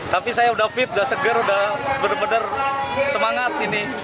tapi saya udah fit udah seger udah bener bener semangat ini